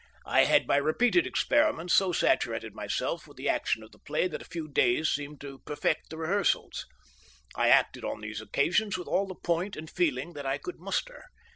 I had by repeated experiments so saturated myself with the action of the play that a few days seemed to perfect the rehearsals. I acted on these occasions with all the point and feeling that I could muster.